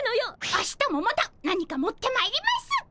明日もまた何か持ってまいります。